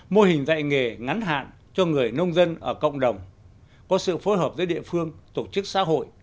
mô hình dạy nghề ngắn hạn cho người nông dân ở cộng đồng có sự phối hợp giữa địa phương tổ chức xã hội